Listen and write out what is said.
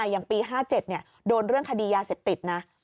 อย่างปี๕๗โดนเรื่องคดียาเสพติดนะ